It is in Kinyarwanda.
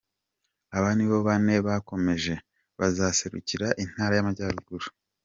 Aba nibo bane bakomeje, bazaserukira Intara y'Amajyaruguru.